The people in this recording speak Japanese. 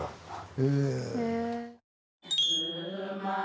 へえ。